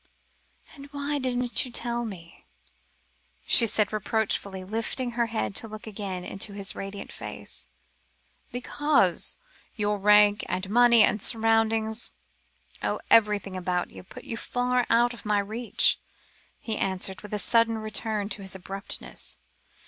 "And why didn't you tell me?" she said reproachfully, lifting her head to look again into his radiant face. "Because your rank, and money, and surroundings oh! everything about you, put you far out of my reach," he answered, with a sudden return to his old abruptness.